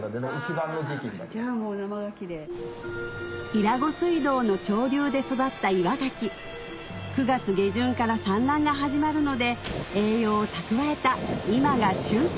伊良湖水道の潮流で育った岩ガキ９月下旬から産卵が始まるので栄養を蓄えた今が旬